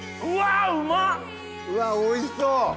うわおいしそう。